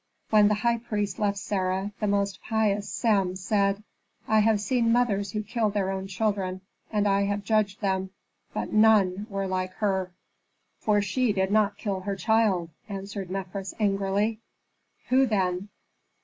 When the high priest left Sarah, the most pious Sem said, "I have seen mothers who killed their own children, and I have judged them; but none were like her." "For she did not kill her child," answered Mefres, angrily. "Who, then?"